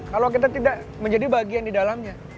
kalau kita tidak menjadi bagian di dalamnya